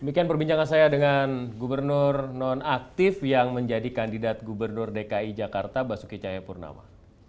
demikian perbincangan saya dengan gubernur non aktif yang menjadi kandidat gubernur dki jakarta basuki cahayapurnama